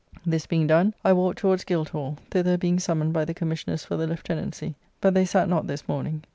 This being done, I walked towards Guildhall, thither being summoned by the Commissioners for the Lieutenancy; but they sat not this morning.